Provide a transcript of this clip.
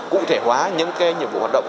cụ thể hóa những nhiệm vụ hoạt động